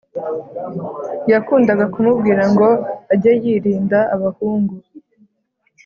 yakundaga kumubwira ngo age yirinda abahungu.